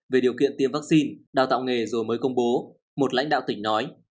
về điều kiện tiêm vaccine đào tạo nghề rồi mới công bố một lãnh đạo tỉnh nói